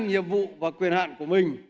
nhiệm vụ và quyền hạn của mình